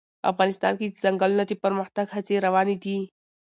افغانستان کې د ځنګلونه د پرمختګ هڅې روانې دي.